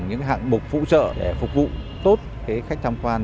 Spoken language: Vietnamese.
những hạng bục phụ trợ để phục vụ tốt khách tham quan